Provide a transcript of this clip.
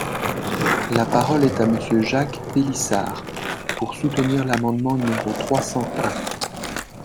La parole est à Monsieur Jacques Pélissard, pour soutenir l’amendement numéro trois cent un.